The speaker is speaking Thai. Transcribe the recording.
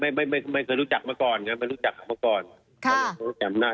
ไม่ไม่ไม่ไม่เคยรู้จักมาก่อนไงไม่รู้จักมาก่อนค่ะจำหน้า